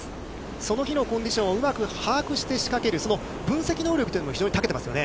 その日のコンディションをうまく把握して仕掛ける、その分析能力というのも非常に長けていますよね。